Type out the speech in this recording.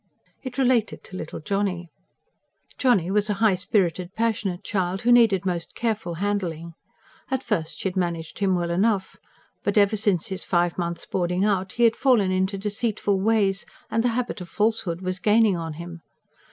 It related to little Johnny. Johnny was a high spirited, passionate child, who needed most careful handling. At first she had managed him well enough. But ever since his five months' boarding out, he had fallen into deceitful ways; and the habit of falsehood was gaining on him.